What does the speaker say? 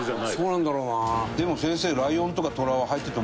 でも先生。